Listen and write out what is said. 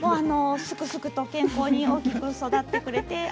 すくすくと健康に大きく育ってくれました。